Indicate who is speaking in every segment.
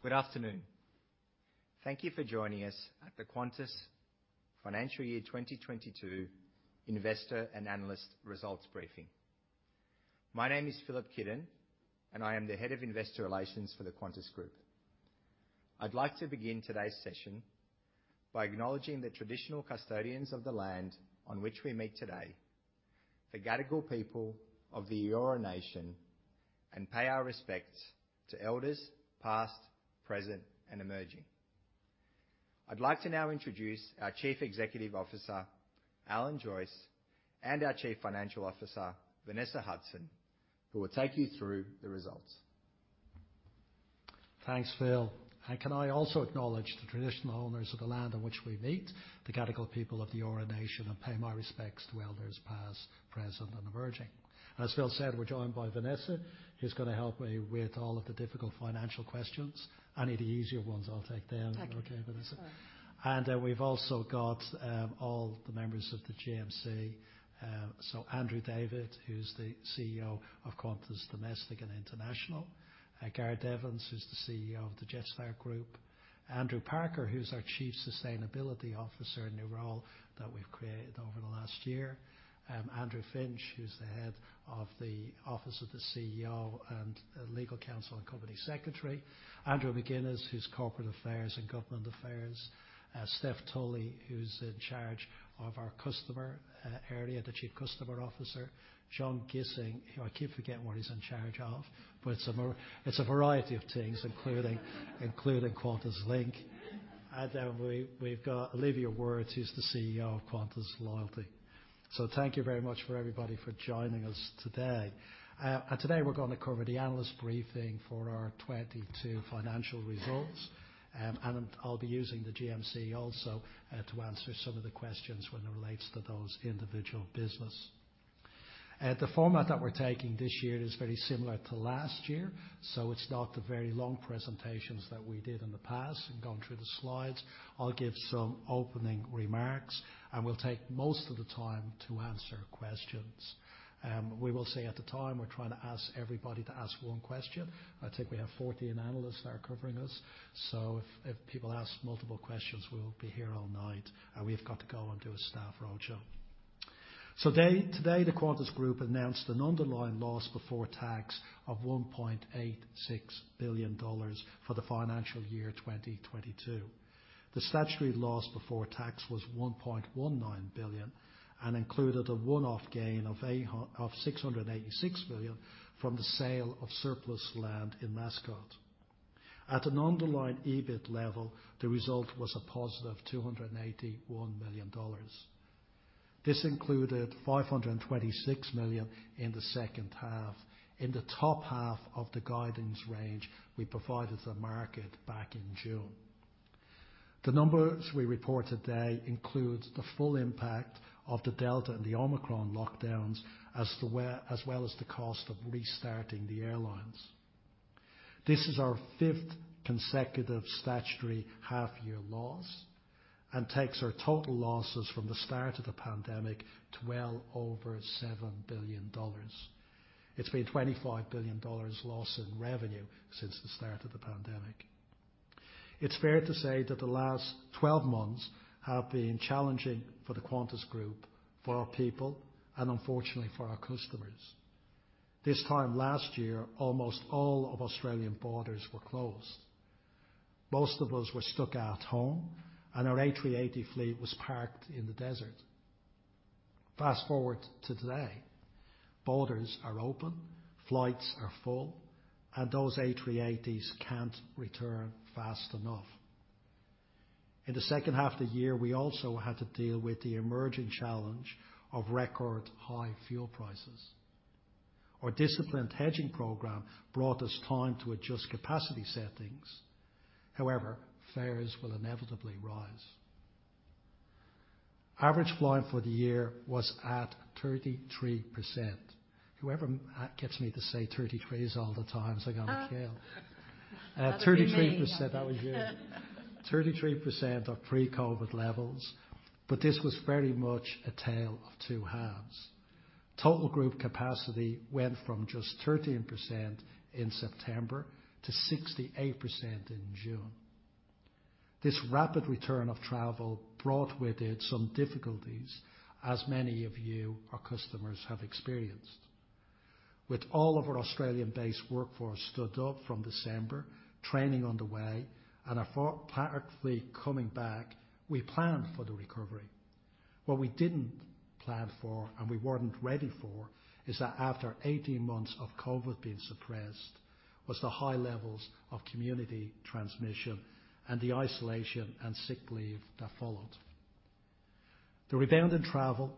Speaker 1: Good afternoon. Thank you for joining us at the Qantas Financial Year 2022 Investor and Analyst Results briefing. My name is Filip Kidon, and I am the head of investor relations for the Qantas Group. I'd like to begin today's session by acknowledging the traditional custodians of the land on which we meet today, the Gadigal people of the Eora Nation, and pay our respects to elders past, present, and emerging. I'd like to now introduce our Chief Executive Officer, Alan Joyce, and our Chief Financial Officer, Vanessa Hudson, who will take you through the results.
Speaker 2: Thanks, Phil. Can I also acknowledge the traditional owners of the land on which we meet, the Gadigal people of the Eora Nation, and pay my respects to elders past, present, and emerging. As Phil said, we're joined by Vanessa, who's gonna help me with all of the difficult financial questions. Any of the easier ones, I'll take them.
Speaker 3: Thank you.
Speaker 2: Okay, Vanessa?
Speaker 3: Sure.
Speaker 2: We've also got all the members of the GMC. Andrew David, who's the CEO of Qantas Domestic and International. Gareth Evans, who's the CEO of the Jetstar Group. Andrew Parker, who's our Chief Sustainability Officer in a role that we've created over the last year. Andrew Finch, who's the head of the Office of the CEO and Legal Counsel and Company Secretary. Andrew McGinness, who's Corporate Affairs and Government Affairs. Stephanie Tully, who's in charge of our customer area, the Chief Customer Officer. John Gissing, who I keep forgetting what he's in charge of, but it's a variety of things, including QantasLink. We've got Olivia Wirth, who's the CEO of Qantas Loyalty. Thank you very much for everybody for joining us today. Today we're gonna cover the analyst briefing for our 2022 financial results. I'll be using the GMC also to answer some of the questions when it relates to those individual business. The format that we're taking this year is very similar to last year, so it's not the very long presentations that we did in the past and going through the slides. I'll give some opening remarks, and we'll take most of the time to answer questions. We will say at the time, we're trying to ask everybody to ask one question. I think we have 14 analysts that are covering us, so if people ask multiple questions, we'll be here all night, and we've got to go and do a staff roadshow. Today, the Qantas Group announced an underlying loss before tax of 1.86 billion dollars for the financial year 2022. The statutory loss before tax was 1.19 billion and included a one-off gain of 686 million from the sale of surplus land in Mascot. At an underlying EBIT level, the result was a positive 281 million dollars. This included 526 million in the H2, in the top half of the guidance range we provided the market back in June. The numbers we report today includes the full impact of the Delta and the Omicron lockdowns, as well as the cost of restarting the airlines. This is our fifth consecutive statutory half-year loss and takes our total losses from the start of the pandemic to well over 7 billion dollars. It's been 25 billion dollars loss in revenue since the start of the pandemic. It's fair to say that the last 12 months have been challenging for the Qantas Group, for our people, and unfortunately for our customers. This time last year, almost all of Australian borders were closed. Most of us were stuck at home, and our A380 fleet was parked in the desert. Fast-forward to today, borders are open, flights are full, and those A380s can't return fast enough. In the H2 of the year, we also had to deal with the emerging challenge of record high fuel prices. Our disciplined hedging program bought us time to adjust capacity settings. However, fares will inevitably rise. Average flying for the year was at 33%. Whoever gets me to say 33s all the time is gonna kill.
Speaker 3: That'd be me.
Speaker 2: 33%—that was you. 33% of pre-COVID levels, but this was very much a tale of two halves. Total group capacity went from just 13% in September to 68% in June. This rapid return of travel brought with it some difficulties, as many of you, our customers, have experienced. With all of our Australian-based workforce stood up from December, training underway, and our parked fleet coming back, we planned for the recovery. What we didn't plan for and we weren't ready for is that after 18 months of COVID being suppressed was the high levels of community transmission and the isolation and sick leave that followed. The rebound in travel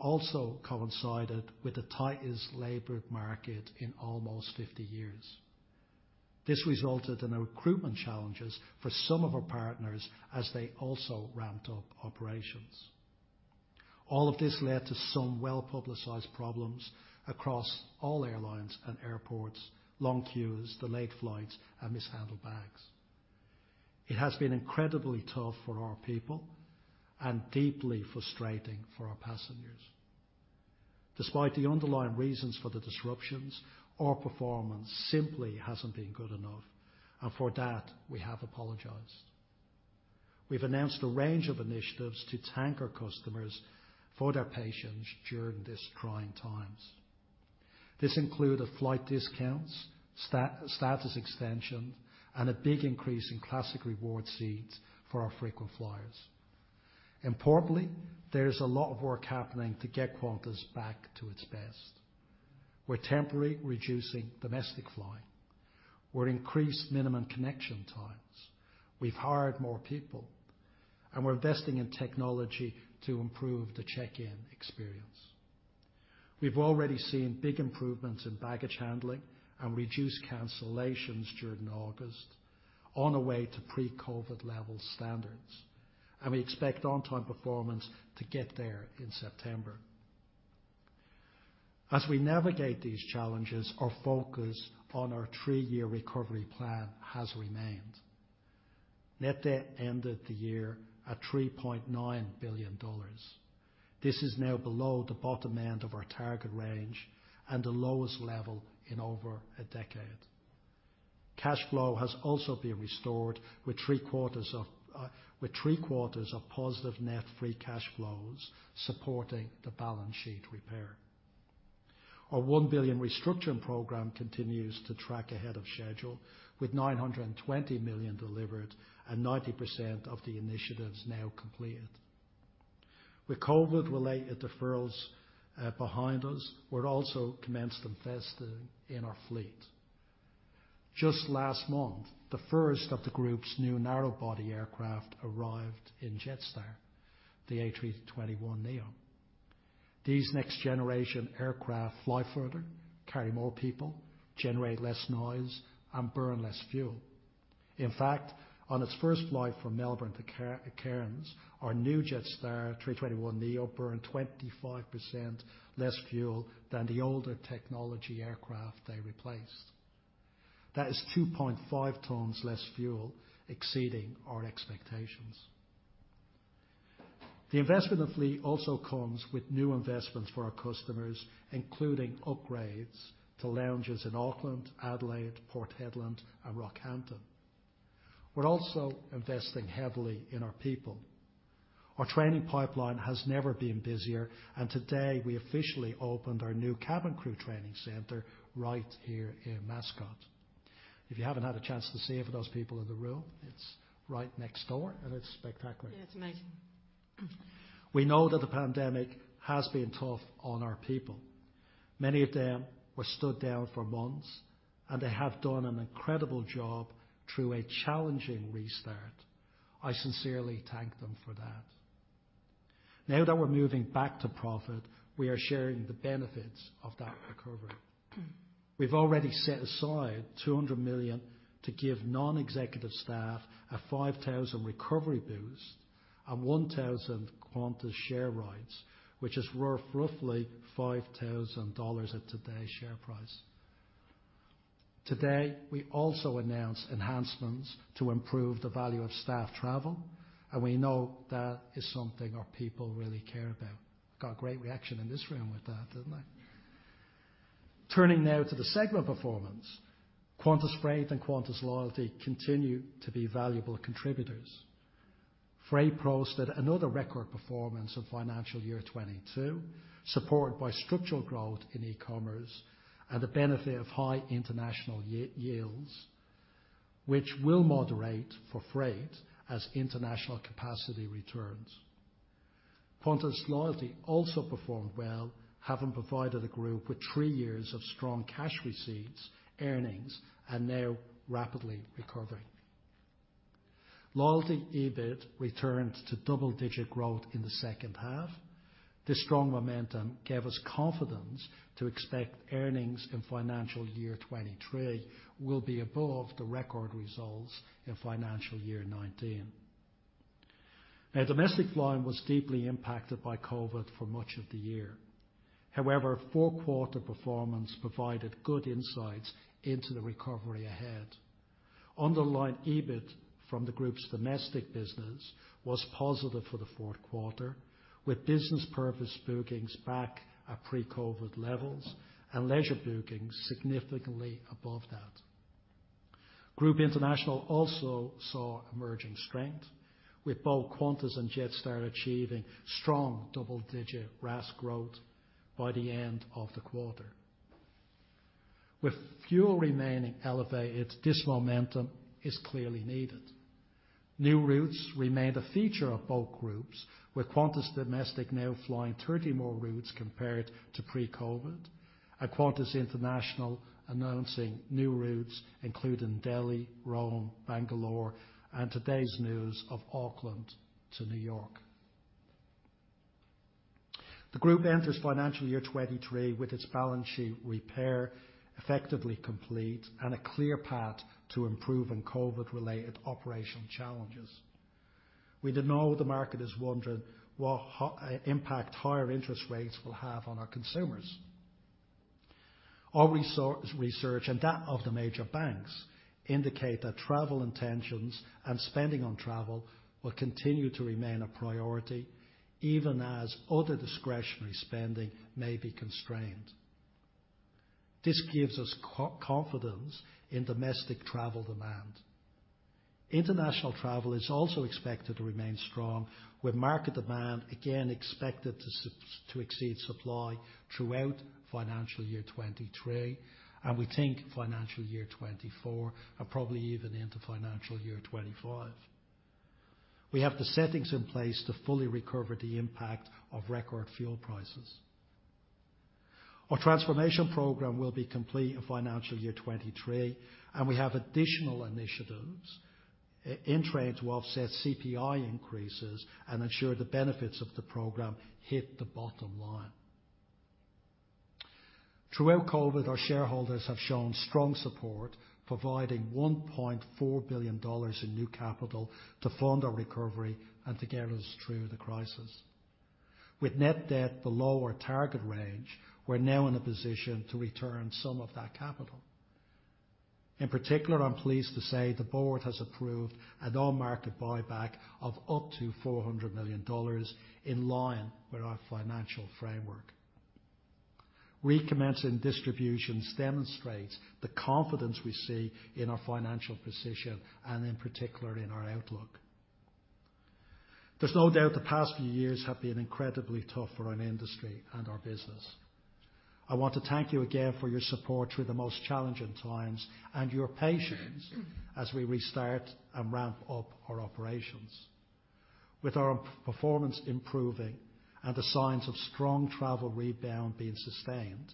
Speaker 2: also coincided with the tightest labor market in almost 50 years. This resulted in recruitment challenges for some of our partners as they also ramped up operations. All of this led to some well-publicized problems across all airlines and airports, long queues, delayed flights, and mishandled bags. It has been incredibly tough for our people and deeply frustrating for our passengers. Despite the underlying reasons for the disruptions, our performance simply hasn't been good enough, and for that, we have apologized. We've announced a range of initiatives to thank our customers for their patience during this trying times. This include the flight discounts, status extension, and a big increase in classic reward seats for our frequent flyers. Importantly, there's a lot of work happening to get Qantas back to its best. We're temporarily reducing domestic flying. We've increased minimum connection times. We've hired more people, and we're investing in technology to improve the check-in experience. We've already seen big improvements in baggage handling and reduced cancellations during August on the way to pre-COVID level standards, and we expect on-time performance to get there in September. As we navigate these challenges, our focus on our three-year recovery plan has remained. Net debt ended the year at AUD 3.9 billion. This is now below the bottom end of our target range and the lowest level in over a decade. Cash flow has also been restored with three-quarters of positive net free cash flows supporting the balance sheet repair. Our 1 billion restructuring program continues to track ahead of schedule with 920 million delivered and 90% of the initiatives now completed. With COVID-related deferrals behind us, we've also commenced investing in our fleet. Just last month, the first of the Group's new narrow body aircraft arrived in Jetstar, the A321neo. These next-generation aircraft fly further, carry more people, generate less noise, and burn less fuel. In fact, on its first flight from Melbourne to Cairns, our new Jetstar 321neo burned 25% less fuel than the older technology aircraft they replaced. That is 2.5 tons less fuel, exceeding our expectations. The investment of fleet also comes with new investments for our customers, including upgrades to lounges in Auckland, Adelaide, Port Hedland, and Rockhampton. We're also investing heavily in our people. Our training pipeline has never been busier, and today we officially opened our new cabin crew training center right here in Mascot. If you haven't had a chance to see it for those people in the room, it's right next door, and it's spectacular.
Speaker 3: Yeah, it's amazing.
Speaker 2: We know that the pandemic has been tough on our people. Many of them were stood down for months, and they have done an incredible job through a challenging restart. I sincerely thank them for that. Now that we're moving back to profit, we are sharing the benefits of that recovery. We've already set aside 200 million to give non-executive staff a 5,000 recovery boost and 1,000 Qantas share rights, which is worth roughly 5,000 dollars at today's share price. Today, we also announced enhancements to improve the value of staff travel, and we know that is something our people really care about. Got a great reaction in this room with that, didn't I? Turning now to the segment performance, Qantas Freight and Qantas Loyalty continue to be valuable contributors. Freight posted another record performance of financial year 2022, supported by structural growth in e-commerce and the benefit of high international yields, which will moderate for Freight as international capacity returns. Qantas Loyalty also performed well, having provided the Group with three years of strong cash receipts, earnings, and now rapidly recovering. Loyalty EBIT returned to double-digit growth in the H2. This strong momentum gave us confidence to expect earnings in financial year 2023 will be above the record results in financial year 2019. Now Domestic Flying was deeply impacted by COVID for much of the year. However, Q4 performance provided good insights into the recovery ahead. Underlying EBIT from the Group's domestic business was positive for the Q4, with business purpose bookings back at pre-COVID levels and leisure bookings significantly above that. Qantas International also saw emerging strength, with both Qantas and Jetstar achieving strong double-digit RASK growth by the end of the quarter. With fuel remaining elevated, this momentum is clearly needed. New routes remained a feature of both groups, with Qantas Domestic now flying 30 more routes compared to pre-COVID, and Qantas International announcing new routes, including Delhi, Rome, Bangalore, and today's news of Auckland to New York. The group enters financial year 2023 with its balance sheet repair effectively complete and a clear path to improving COVID-related operational challenges. We know the market is wondering what impact higher interest rates will have on our consumers. Our research and that of the major banks indicate that travel intentions and spending on travel will continue to remain a priority even as other discretionary spending may be constrained. This gives us confidence in domestic travel demand. International travel is also expected to remain strong, with market demand again expected to exceed supply throughout financial year 2023, and we think financial year 2024, and probably even into financial year 2025. We have the settings in place to fully recover the impact of record fuel prices. Our transformation program will be complete in financial year 2023, and we have additional initiatives in train to offset CPI increases and ensure the benefits of the program hit the bottom line. Throughout COVID, our shareholders have shown strong support, providing 1.4 billion dollars in new capital to fund our recovery and to get us through the crisis. With net debt below our target range, we're now in a position to return some of that capital. In particular, I'm pleased to say the board has approved an on-market buyback of up to 400 million dollars in line with our financial framework. Recommencing distributions demonstrates the confidence we see in our financial position, and in particular, in our outlook. There's no doubt the past few years have been incredibly tough for our industry and our business. I want to thank you again for your support through the most challenging times and your patience as we restart and ramp up our operations. With our performance improving and the signs of strong travel rebound being sustained,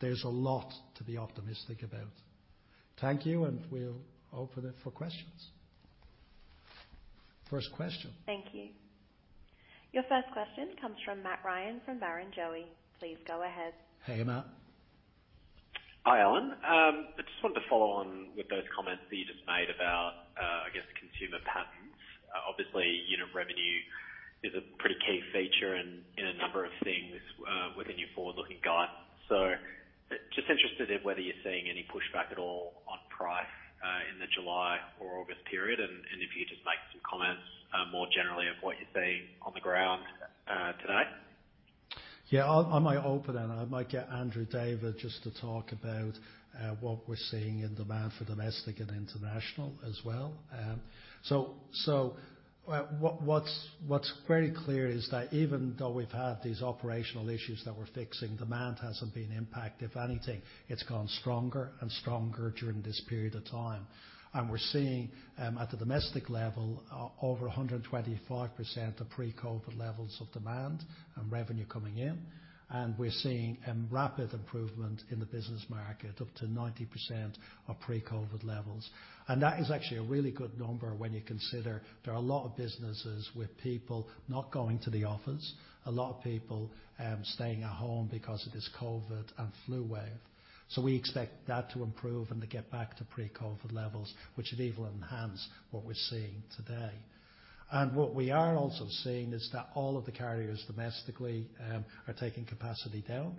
Speaker 2: there's a lot to be optimistic about. Thank you, and we'll open it for questions. First question.
Speaker 4: Thank you. Your first question comes from Matt Ryan from Barrenjoey. Please go ahead.
Speaker 2: Hey, Matt.
Speaker 5: Hi, Alan. I just wanted to follow on with those comments that you just made about, I guess, the consumer patterns. Obviously, unit revenue is a pretty key feature in a number of things within your forward-looking guide. Just interested in whether you're seeing any pushback at all on price in the July or August period, and if you just make some comments more generally of what you're seeing on the ground to date.
Speaker 2: I might open and get Andrew David just to talk about what we're seeing in demand for domestic and international as well. What's very clear is that even though we've had these operational issues that we're fixing, demand hasn't been impacted. If anything, it's gone stronger and stronger during this period of time. We're seeing at the domestic level, over 125% of pre-COVID levels of demand and revenue coming in. We're seeing a rapid improvement in the business market, up to 90% of pre-COVID levels. That is actually a really good number when you consider there are a lot of businesses with people not going to the office, a lot of people staying at home because of this COVID and flu wave. We expect that to improve and to get back to pre-COVID levels, which would even enhance what we're seeing today. What we are also seeing is that all of the carriers domestically are taking capacity down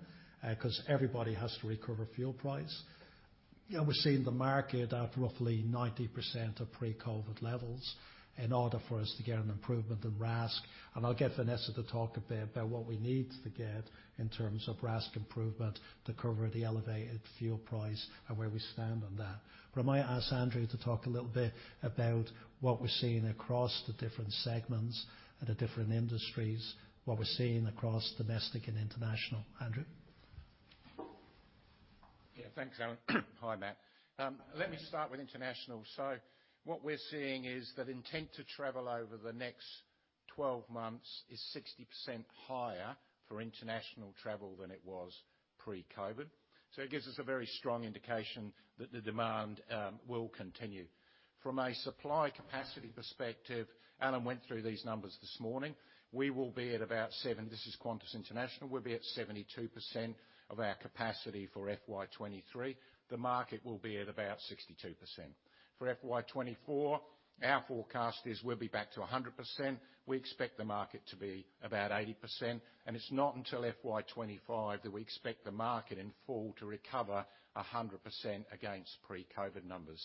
Speaker 2: 'cause everybody has to recover fuel price. Yeah, we're seeing the market at roughly 90% of pre-COVID levels in order for us to get an improvement in RASK. I'll get Vanessa to talk a bit about what we need to get in terms of RASK improvement to cover the elevated fuel price and where we stand on that. I might ask Andrew to talk a little bit about what we're seeing across the different segments and the different industries, what we're seeing across domestic and international. Andrew?
Speaker 6: Yeah, thanks, Alan. Hi, Matt. Let me start with international. What we're seeing is that intent to travel over the next 12 months is 60% higher for international travel than it was pre-COVID. It gives us a very strong indication that the demand will continue. From a supply capacity perspective, Alan went through these numbers this morning. This is Qantas International. We'll be at 72% of our capacity for FY 2023. The market will be at about 62%. For FY 2024, our forecast is we'll be back to 100%. We expect the market to be about 80%. It's not until FY 2025 that we expect the market in full to recover 100% against pre-COVID numbers.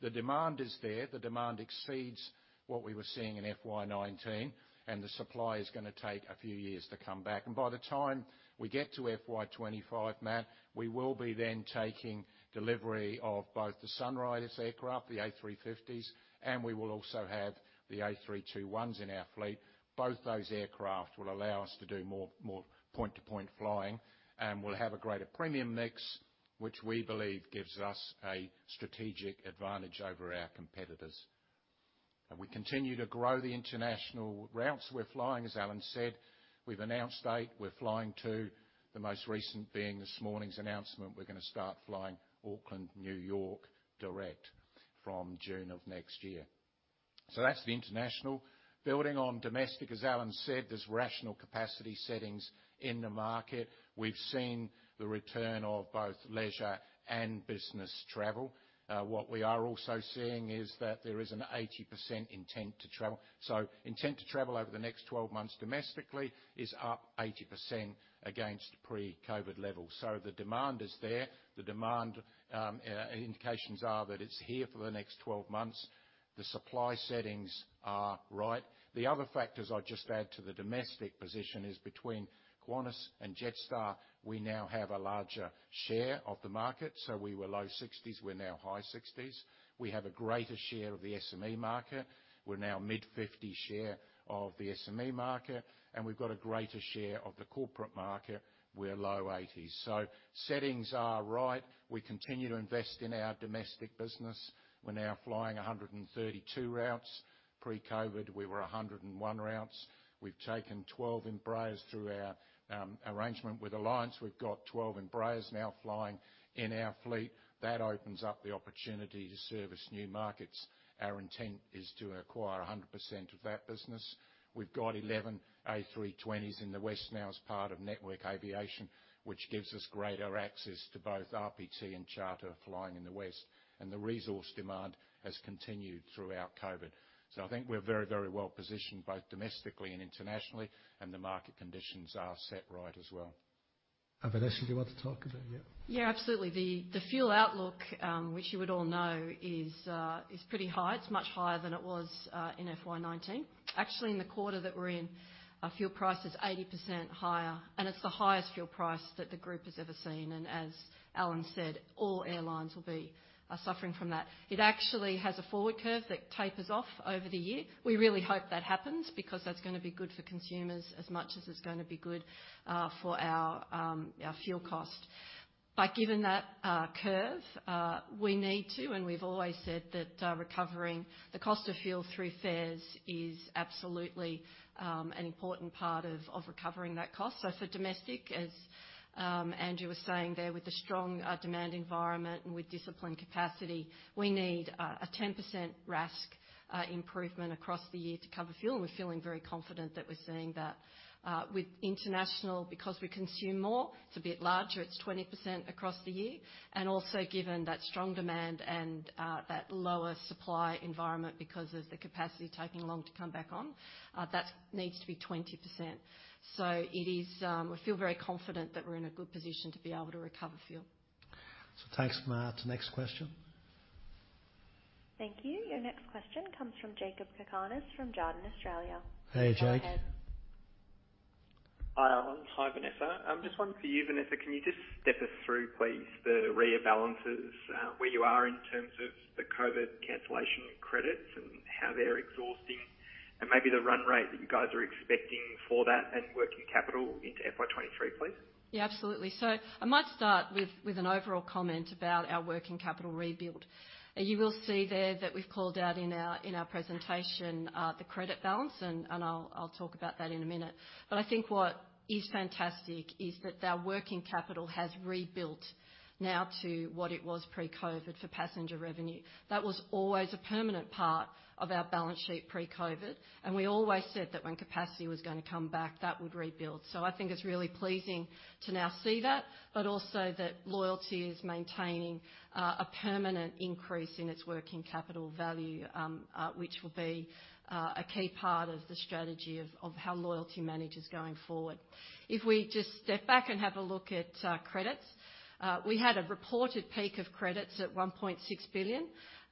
Speaker 6: The demand is there. The demand exceeds what we were seeing in FY 19, and the supply is gonna take a few years to come back. By the time we get to FY 25, Matt, we will be then taking delivery of both the Sunrise aircraft, the A350s, and we will also have the A321s in our fleet. Both those aircraft will allow us to do more, more point-to-point flying, and we'll have a greater premium mix, which we believe gives us a strategic advantage over our competitors. We continue to grow the international routes we're flying, as Alan said. We've announced eight we're flying to, the most recent being this morning's announcement. We're gonna start flying Auckland, New York, direct from June of next year. That's the international. Building on domestic, as Alan said, there's rational capacity settings in the market. We've seen the return of both leisure and business travel. What we are also seeing is that there is an 80% intent to travel. Intent to travel over the next twelve months domestically is up 80% against pre-COVID levels. The demand is there. The demand indications are that it's here for the next twelve months. The supply settings are right. The other factors I'll just add to the domestic position is between Qantas and Jetstar, we now have a larger share of the market. We were low 60s%, we're now high 60s%. We have a greater share of the SME market. We're now mid-50% share of the SME market, and we've got a greater share of the corporate market. We're low 80s%. Settings are right. We continue to invest in our domestic business. We're now flying 132 routes. Pre-COVID, we were 101 routes. We've taken 12 Embraers through our arrangement with Alliance. We've got 12 Embraers now flying in our fleet. That opens up the opportunity to service new markets. Our intent is to acquire 100% of that business. We've got 11 A320s in the West now as part of Network Aviation, which gives us greater access to both RPT and charter flying in the West. The resource demand has continued throughout COVID. I think we're very, very well positioned, both domestically and internationally, and the market conditions are set right as well.
Speaker 3: Vanessa, do you want to talk a bit, yeah? Yeah, absolutely. The fuel outlook, which you would all know is pretty high. It's much higher than it was in FY 2019. Actually, in the quarter that we're in, our fuel price is 80% higher, and it's the highest fuel price that the group has ever seen. As Alan said, all airlines will be suffering from that. It actually has a forward curve that tapers off over the year. We really hope that happens because that's gonna be good for consumers as much as it's gonna be good for our fuel cost. Given that curve, we need to, and we've always said that, recovering the cost of fuel through fares is absolutely an important part of recovering that cost. For domestic, as Andrew was saying there, with the strong demand environment and with disciplined capacity, we need a 10% RASK improvement across the year to cover fuel. We're feeling very confident that we're seeing that. With international, because we consume more, it's a bit larger. It's 20% across the year. Also given that strong demand and that lower supply environment because of the capacity taking long to come back on, that needs to be 20%. It is. We feel very confident that we're in a good position to be able to recover fuel. Thanks to next question.
Speaker 4: Thank you. Your next question comes from Jakob Cakarnis from Jarden Australia.
Speaker 3: Hey, Jacob.
Speaker 4: Go ahead.
Speaker 7: Hi, Alan. Hi, Vanessa. Just one for you, Vanessa. Can you just step us through please the rebalances, where you are in terms of the COVID cancellation credits and how they're exhausting and maybe the run rate that you guys are expecting for that and working capital into FY 2023, please?
Speaker 3: Yeah, absolutely. I might start with an overall comment about our working capital rebuild. You will see there that we've called out in our presentation the credit balance, and I'll talk about that in a minute. I think what is fantastic is that our working capital has rebuilt now to what it was pre-COVID for passenger revenue. That was always a permanent part of our balance sheet pre-COVID, and we always said that when capacity was gonna come back, that would rebuild. I think it's really pleasing to now see that, but also that loyalty is maintaining a permanent increase in its working capital value, which will be a key part of the strategy of how loyalty manages going forward. If we just step back and have a look at credits, we had a reported peak of credits at 1.6 billion,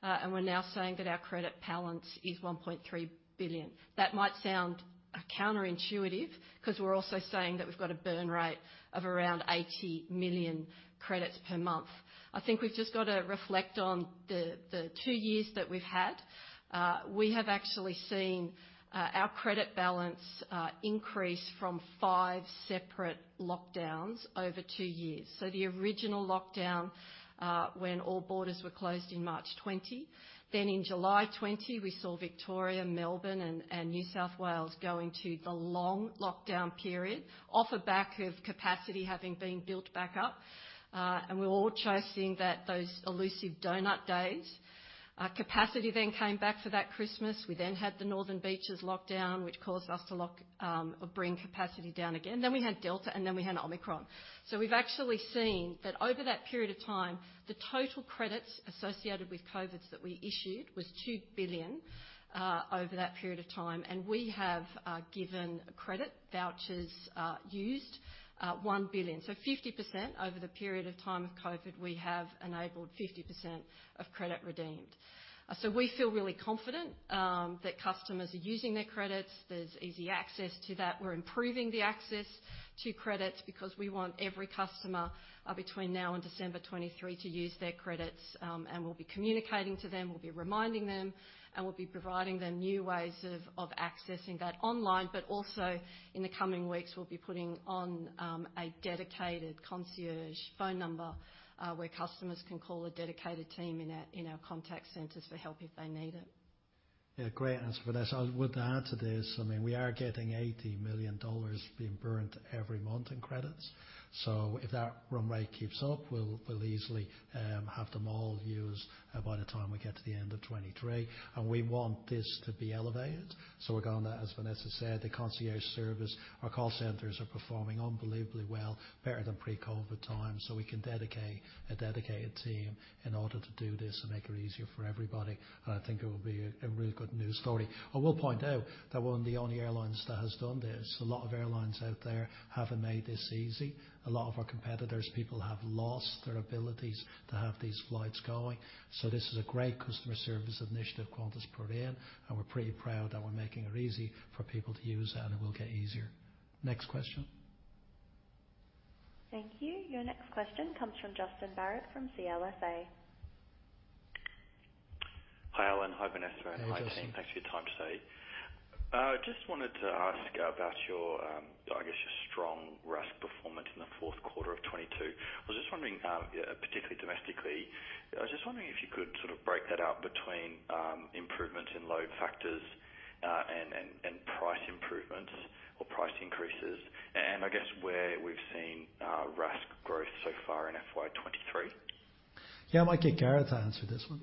Speaker 3: and we're now saying that our credit balance is 1.3 billion. That might sound counterintuitive because we're also saying that we've got a burn rate of around 80 million credits per month. I think we've just got to reflect on the two years that we've had. We have actually seen our credit balance increase from five separate lockdowns over two years. The original lockdown, when all borders were closed in March 2020, then in July 2020, we saw Victoria, Melbourne and New South Wales go into the long lockdown period off the back of capacity having been built back up. We're all chasing those elusive donut days. Capacity then came back for that Christmas. We then had the Northern Beaches lockdown, which caused us to bring capacity down again. We had Delta, and then we had Omicron. We've actually seen that over that period of time, the total credits associated with COVID that we issued was 2 billion over that period of time. We have given credit vouchers used 1 billion. 50% over the period of time of COVID, we have enabled fifty percent of credit redeemed. We feel really confident that customers are using their credits. There's easy access to that. We're improving the access to credits because we want every customer between now and December 2023 to use their credits. We'll be communicating to them, we'll be reminding them, and we'll be providing them new ways of accessing that online. Also in the coming weeks, we'll be putting on a dedicated concierge phone number, where customers can call a dedicated team in our contact centers for help if they need it.
Speaker 2: Yeah, great answer, Vanessa. I would add to this, I mean, we are getting 80 million dollars being burnt every month in credits. If that run rate keeps up, we'll easily have them all used by the time we get to the end of 2023. We want this to be elevated, so we're going to, as Vanessa said, the concierge service. Our call centers are performing unbelievably well, better than pre-COVID times, so we can dedicate a dedicated team in order to do this and make it easier for everybody. I think it will be a really good news story. I will point out that we're one of the only airlines that has done this. A lot of airlines out there haven't made this easy. A lot of our competitors, people have lost their abilities to have these flights going. This is a great customer service initiative Qantas put in, and we're pretty proud that we're making it easy for people to use, and it will get easier. Next question.
Speaker 4: Thank you. Your next question comes from Justin Barratt from CLSA.
Speaker 8: Hi, Alan. Hi, Vanessa.
Speaker 2: Hey, Justin.
Speaker 8: Hi, team. Thanks for your time today. Just wanted to ask about your, I guess your strong RASK performance in the Q4 of 2022. I was just wondering, particularly domestically, I was just wondering if you could sort of break that out between improvements in load factors, and price improvements or price increases, and I guess where we've seen RASK growth so far in FY 2023.
Speaker 2: Yeah, I might get Gareth to answer this one.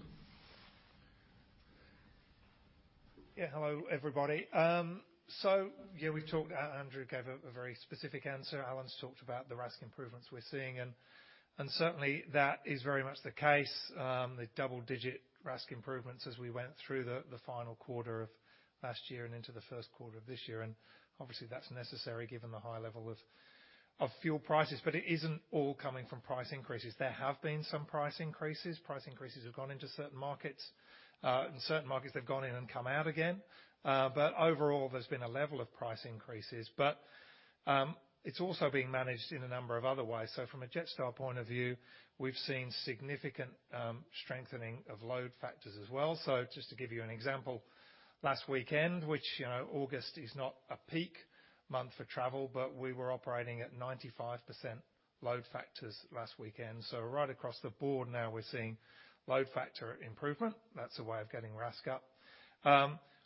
Speaker 9: Yeah. Hello, everybody. We've talked. Andrew gave a very specific answer. Alan's talked about the RASK improvements we're seeing, and certainly that is very much the case. The double-digit RASK improvements as we went through the final quarter of last year and into the Q1 of this year, and obviously that's necessary given the high level of fuel prices. It isn't all coming from price increases. There have been some price increases. Price increases have gone into certain markets, and certain markets they've gone in and come out again. Overall, there's been a level of price increases, but it's also being managed in a number of other ways. From a Jetstar point of view, we've seen significant strengthening of load factors as well. Just to give you an example, last weekend, which, you know, August is not a peak month for travel, but we were operating at 95% load factors last weekend. Right across the board now we're seeing load factor improvement. That's a way of getting RASK up.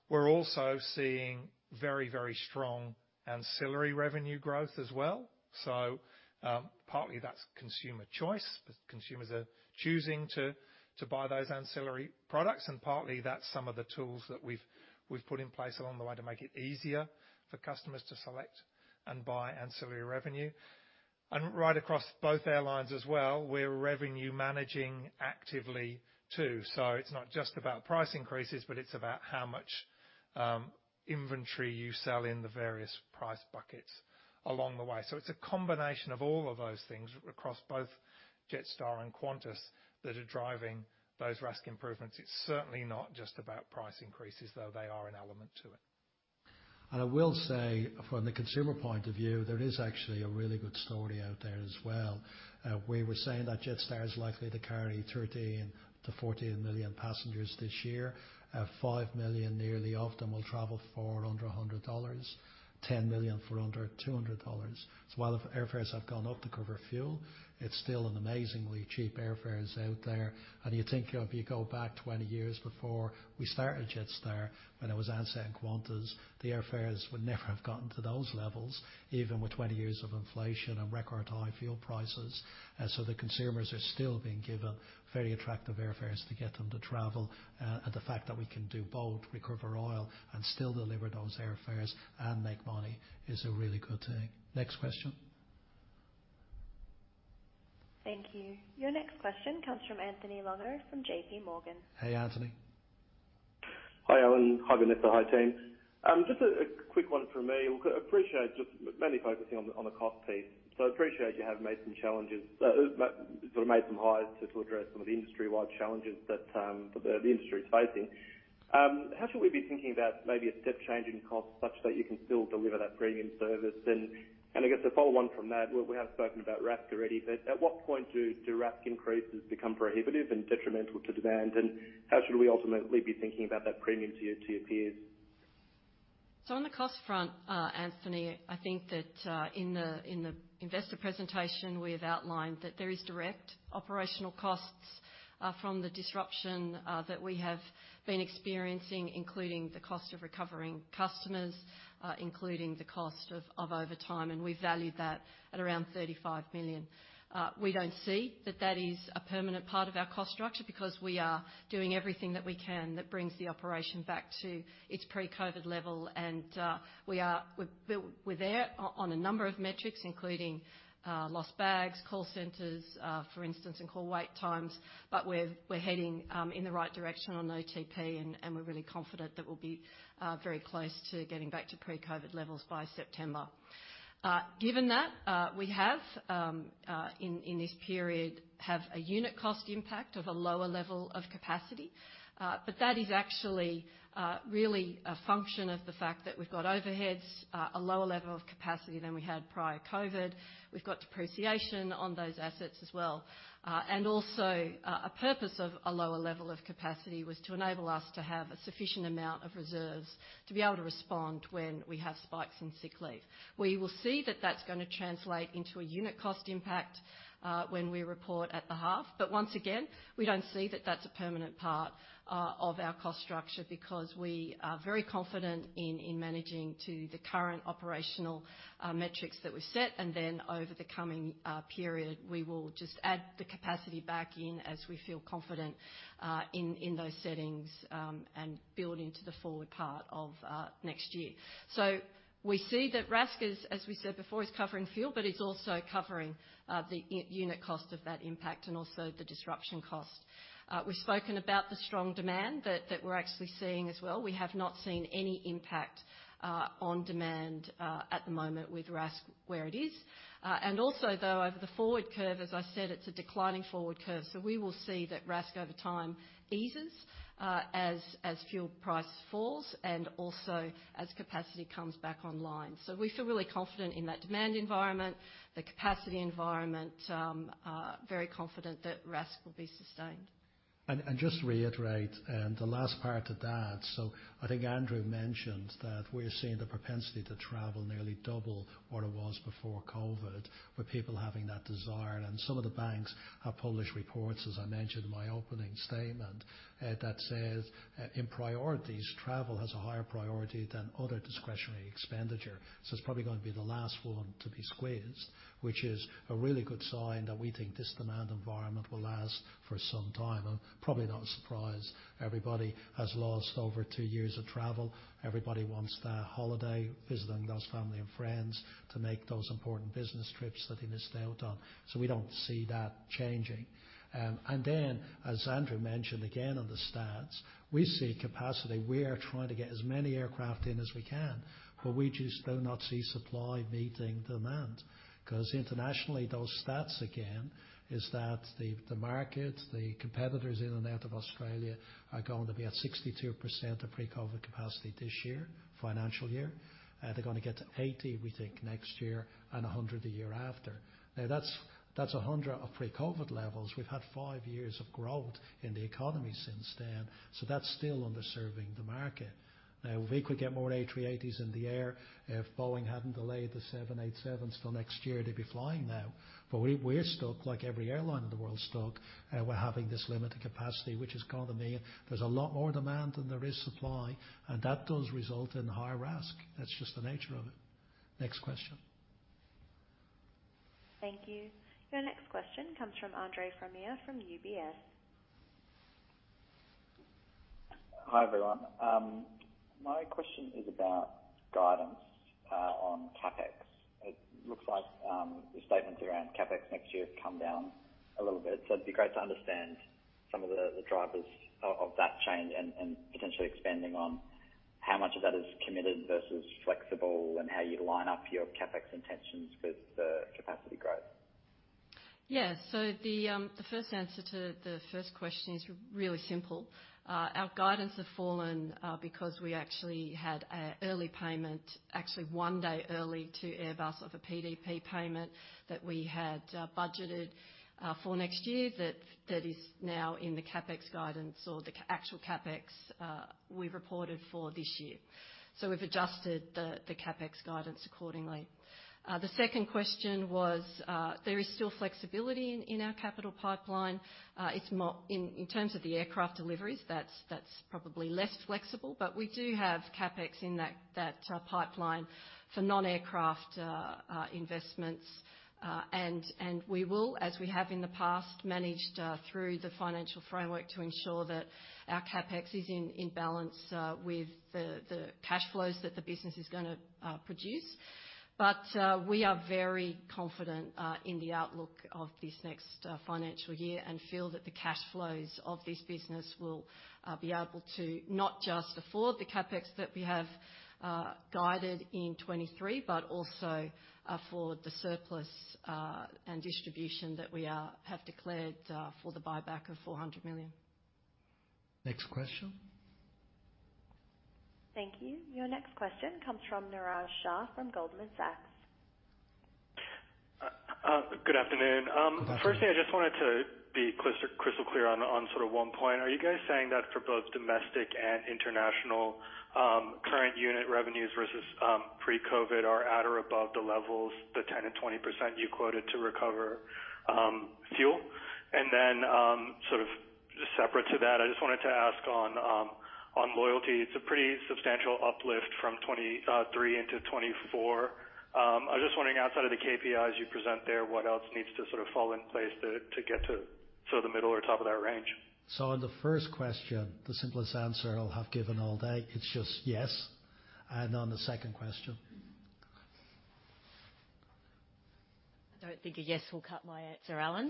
Speaker 9: We're also seeing very, very strong ancillary revenue growth as well. Partly that's consumer choice. Consumers are choosing to buy those ancillary products, and partly that's some of the tools that we've put in place along the way to make it easier for customers to select and buy ancillary revenue. Right across both airlines as well, we're revenue managing actively too. It's not just about price increases, but it's about how much inventory you sell in the various price buckets along the way. It's a combination of all of those things across both Jetstar and Qantas that are driving those RASK improvements. It's certainly not just about price increases, though they are an element to it.
Speaker 2: I will say from the consumer point of view, there is actually a really good story out there as well. We were saying that Jetstar is likely to carry 13-14 million passengers this year. Nearly 5 million of them will travel for under 100 dollars, 10 million for under 200 dollars. While the airfares have gone up to cover fuel, it's still an amazingly cheap airfares out there. You think if you go back 20 years before we started Jetstar, when it was Ansett and Qantas, the airfares would never have gotten to those levels, even with 20 years of inflation and record high fuel prices. The consumers are still being given very attractive airfares to get them to travel. The fact that we can do both, recover oil and still deliver those airfares and make money is a really good thing. Next question.
Speaker 4: Thank you. Your next question comes from Anthony Longo from JP Morgan.
Speaker 2: Hey, Anthony.
Speaker 10: Hi, Alan. Hi, Vanessa. Hi, team. Just a quick one from me. We appreciate just mainly focusing on the cost piece. Appreciate you have made some changes, sort of made some hires to address some of the industry-wide challenges that the industry is facing. How should we be thinking about maybe a step change in cost such that you can still deliver that premium service? And I guess a follow on from that, we have spoken about RASK already. But at what point do RASK increases become prohibitive and detrimental to demand? And how should we ultimately be thinking about that premium to your peers?
Speaker 3: On the cost front, Anthony, I think that in the investor presentation, we have outlined that there is direct operational costs from the disruption that we have been experiencing, including the cost of recovering customers, including the cost of overtime, and we value that at around 35 million. We don't see that is a permanent part of our cost structure because we are doing everything that we can that brings the operation back to its pre-COVID level. We're there on a number of metrics, including lost bags, call centers, for instance, and call wait times. We're heading in the right direction on OTP and we're really confident that we'll be very close to getting back to pre-COVID levels by September. Given that we have in this period a unit cost impact of a lower level of capacity. That is actually really a function of the fact that we've got overheads, a lower level of capacity than we had prior to COVID. We've got depreciation on those assets as well. A purpose of a lower level of capacity was to enable us to have a sufficient amount of reserves to be able to respond when we have spikes in sick leave. We will see that that's gonna translate into a unit cost impact when we report at the half. Once again, we don't see that that's a permanent part of our cost structure because we are very confident in managing to the current operational metrics that we've set. Over the coming period, we will just add the capacity back in as we feel confident in those settings, and build into the forward part of next year. We see that RASK is, as we said before, covering fuel, but it's also covering the unit cost of that impact and also the disruption cost. We've spoken about the strong demand that we're actually seeing as well. We have not seen any impact on demand at the moment with RASK where it is. Over the forward curve, as I said, it's a declining forward curve. We will see that RASK over time eases as fuel price falls and also as capacity comes back online. We feel really confident in that demand environment, the capacity environment, very confident that RASK will be sustained.
Speaker 2: Just to reiterate, the last part to that, I think Andrew mentioned that we're seeing the propensity to travel nearly double what it was before COVID, with people having that desire. Some of the banks have published reports, as I mentioned in my opening statement, that says in priorities, travel has a higher priority than other discretionary expenditure. It's probably going to be the last one to be squeezed, which is a really good sign that we think this demand environment will last for some time. Probably not a surprise, everybody has lost over two years of travel. Everybody wants their holiday, visiting those family and friends to make those important business trips that they missed out on. We don't see that changing. As Andrew mentioned again on the stats, we see capacity. We are trying to get as many aircraft in as we can, but we just do not see supply meeting demand 'cause internationally, those stats, again, is that the market, the competitors in and out of Australia are going to be at 62% of pre-COVID capacity this year, financial year. They're gonna get to 80%, we think, next year and 100% the year after. Now, that's 100% of pre-COVID levels. We've had five years of growth in the economy since then. That's still underserving the market. Now, if we could get more A380s in the air, if Boeing hadn't delayed the 787s till next year, they'd be flying now. We, we're stuck like every airline in the world stuck. We're having this limited capacity, which is gonna mean there's a lot more demand than there is supply, and that does result in higher RASK. That's just the nature of it. Next question.
Speaker 4: Thank you. Your next question comes from Andre Fromyhr from UBS.
Speaker 11: Hi, everyone. My question is about guidance on CapEx. It looks like the statements around CapEx next year have come down a little bit. It'd be great to understand some of the drivers of that change and potentially expanding on how much of that is committed versus flexible and how you line up your CapEx intentions with the capacity growth.
Speaker 3: Yeah. The first answer to the first question is really simple. Our guidance has fallen because we actually had an early payment, actually one day early to Airbus of a PDP payment that we had budgeted for next year that is now in the CapEx guidance or the actual CapEx we reported for this year. We've adjusted the CapEx guidance accordingly. The second question was, there is still flexibility in our capital pipeline. In terms of the aircraft deliveries, that's probably less flexible. We do have CapEx in that pipeline for non-aircraft investments. We will, as we have in the past, managed through the financial framework to ensure that our CapEx is in balance with the cash flows that the business is gonna produce. We are very confident in the outlook of this next financial year and feel that the cash flows of this business will be able to not just afford the CapEx that we have guided in 2023, but also for the surplus and distribution that we have declared for the buyback of 400 million.
Speaker 2: Next question.
Speaker 4: Thank you. Your next question comes from Niraj Shah from Goldman Sachs.
Speaker 12: Good afternoon.
Speaker 2: Good afternoon.
Speaker 12: Firstly, I just wanted to be crystal clear on sort of one point. Are you guys saying that for both domestic and international, current unit revenues versus pre-COVID are at or above the levels, the 10% and 20% you quoted to recover fuel? Sort of just separate to that, I just wanted to ask on loyalty. It's a pretty substantial uplift from 2023 into 2024. I'm just wondering outside of the KPIs you present there, what else needs to sort of fall in place to get to sort of the middle or top of that range?
Speaker 2: On the first question, the simplest answer I'll have given all day, it's just yes. On the second question.
Speaker 3: I don't think a yes will cut my answer, Alan.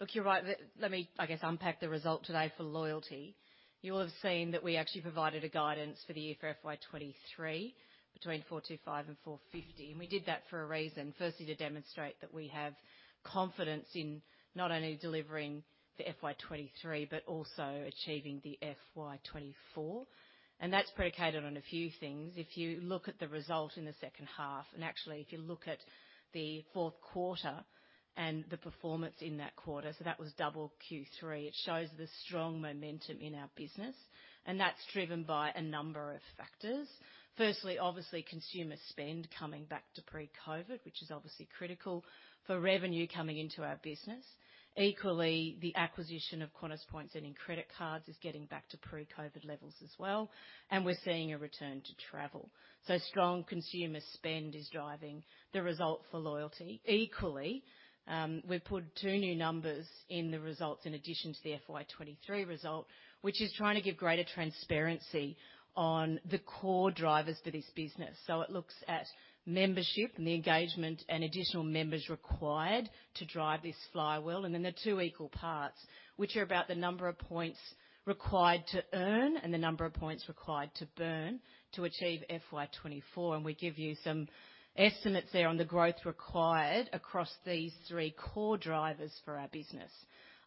Speaker 3: Look, you're right. Let me, I guess, unpack the result today for loyalty. You will have seen that we actually provided a guidance for the year for FY 2023 between 425-450, and we did that for a reason. Firstly, to demonstrate that we have confidence in not only delivering the FY 2023 but also achieving the FY 2024. That's predicated on a few things. If you look at the result in the H2, and actually, if you look at the Q4 and the performance in that quarter, so that was double Q3, it shows the strong momentum in our business, and that's driven by a number of factors. Firstly, obviously, consumer spend coming back to pre-COVID, which is obviously critical for revenue coming into our business. Equally, the acquisition of Qantas points and income from credit cards is getting back to pre-COVID levels as well, and we're seeing a return to travel. Strong consumer spend is driving the result for Loyalty. Equally, we've put two new numbers in the results in addition to the FY 2023 result, which is trying to give greater transparency on the core drivers for this business. It looks at membership and the engagement and additional members required to drive this flywheel. Then the two equal parts, which are about the number of points required to earn and the number of points required to burn to achieve FY 2024. We give you some estimates there on the growth required across these three core drivers for our business.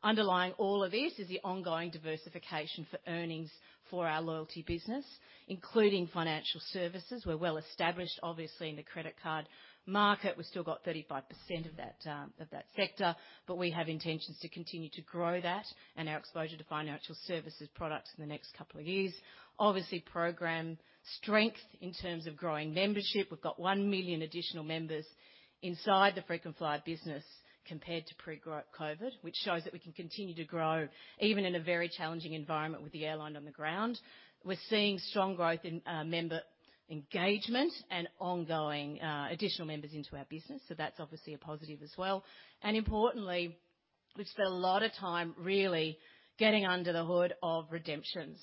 Speaker 3: Underlying all of this is the ongoing diversification for earnings for our Loyalty business, including financial services. We're well established, obviously, in the credit card market. We've still got 35% of that sector, but we have intentions to continue to grow that and our exposure to financial services products in the next couple of years. Obviously, program strength in terms of growing membership. We've got 1 million additional members inside the frequent flyer business compared to pre-COVID, which shows that we can continue to grow even in a very challenging environment with the airline on the ground. We're seeing strong growth in member engagement and ongoing additional members into our business, so that's obviously a positive as well. Importantly, we've spent a lot of time really getting under the hood of redemptions.